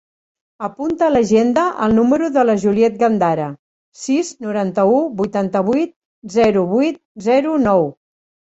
Apunta a l'agenda el número de la Juliet Gandara: sis, noranta-u, vuitanta-vuit, zero, vuit, zero, nou.